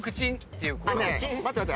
待って待って。